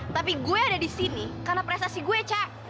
tapi gue ada di sini karena prestasi gue cak